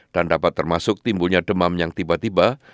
dan dapat termasuk timbulnya demam yang tiba tiba berubah